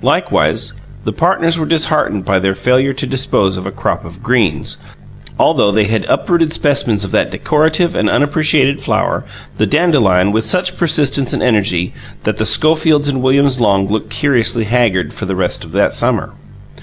Likewise, the partners were disheartened by their failure to dispose of a crop of "greens," although they had uprooted specimens of that decorative and unappreciated flower, the dandelion, with such persistence and energy that the Schofields' and Williams' lawns looked curiously haggard for the rest of that summer.